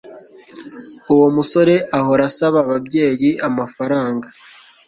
uwo musore ahora asaba ababyeyi amafaranga